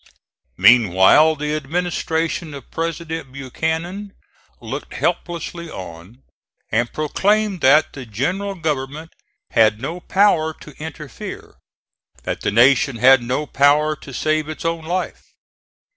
Meanwhile the Administration of President Buchanan looked helplessly on and proclaimed that the general government had no power to interfere; that the Nation had no power to save its own life.